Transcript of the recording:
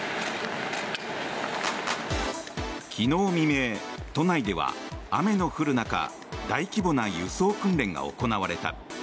昨日未明、都内では雨が降る中大規模な輸送訓練が行われた。